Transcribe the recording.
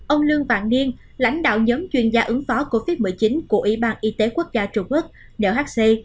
ông lương vạn niên lãnh đạo nhóm chuyên gia ứng phó covid một mươi chín của ủy ban y tế quốc gia trung quốc nhhc